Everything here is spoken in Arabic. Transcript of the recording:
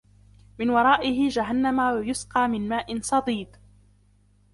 من ورائه جهنم ويسقى من ماء صديد